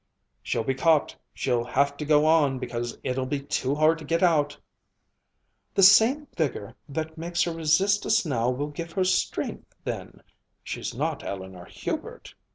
"She'll be caught she'll have to go on because it'll be too hard to get out " "The same vigor that makes her resist us now will give her strength then she's not Eleanor Hubert."